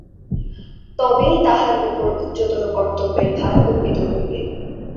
তবেই তাহার উপর উচ্চতর কর্তব্যের ভার অর্পিত হইবে।